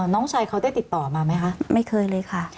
น้องชายเขาได้ติดต่อมาไหมคะไม่เคยเลยค่ะ